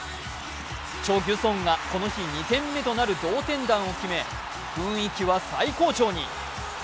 チョ・ギュソンがこの日２点目となる同点弾を決め雰囲気は最高潮に。